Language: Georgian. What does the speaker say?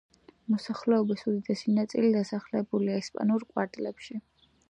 მოსახლეობის უდიდესი ნაწილი დასახლებულია ესპანურ კვარტლებში.